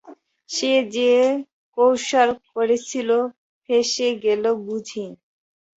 সে যে কৌশল করেছিল ফেঁসে গেল বুঝি।